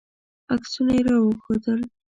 عکسونه یې راوښودل.